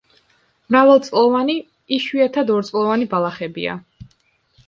მრავალწლოვანი, იშვიათად ორწლოვანი ბალახებია.